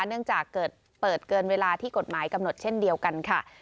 เนื่องจากเกิดเปิดเกินเวลาที่กฎหมายกำหนดเช่นเดียวกันค่ะ